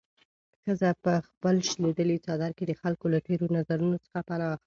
ښځه په خپل شلېدلي څادر کې د خلکو له تېرو نظرونو څخه پناه اخلي.